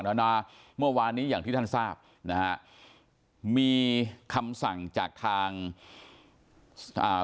แล้วนะเมื่อวานนี้อย่างที่ท่านทราบนะฮะมีคำสั่งจากทางอ่า